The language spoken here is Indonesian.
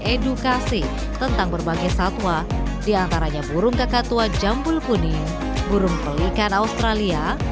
edukasi tentang berbagai satwa diantaranya burung kakatua jambul puning burung pelikan australia